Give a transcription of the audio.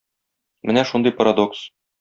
Менә шундый парадокс.